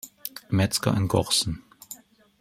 Mezger in Gochsen.